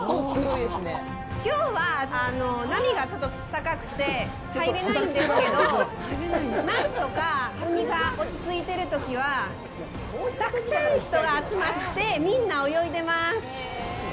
きょうは波がちょっと高くて入れないんですけど、夏とか、海が落ち着いてるときは、たくさん人が集まって、みんな、泳いでます。